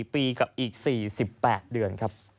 ๑๓๔ปีกับอีก๔๘เดือน